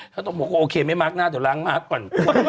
ถ้าตรงบอกว่าโอเคไม่มาร์คหน้าเดี๋ยวล้างมาร์คก่อน